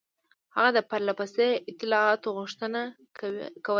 هغه د پرله پسې اطلاعاتو غوښتنه کوله.